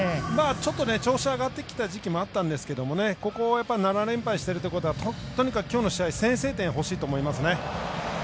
ちょっと調子が上がってきた時期ではあるんですがここは７連敗しているということは先制点欲しいと思いますね。